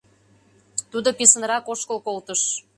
Тудо писынрак ошкыл колтыш.